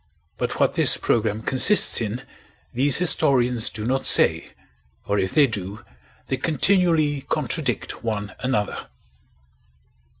But what this program consists in these historians do not say, or if they do they continually contradict one another.